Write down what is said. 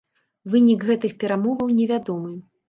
Вынік гэтых перамоваў невядомы.